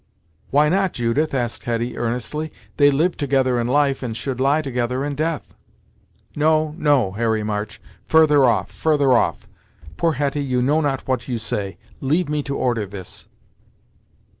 "Why not, Judith?" asked Hetty, earnestly. "They lived together in life, and should lie together in death." "No no Harry March, further off further off. Poor Hetty, you know not what you say. Leave me to order this."